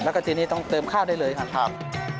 แล้วก็ทีนี้ต้องเติมข้าวได้เลยครับ